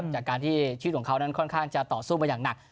จากการที่ชีวิตของเขานั้นค่อนข้างจะต่อสู้มาอย่างหนัก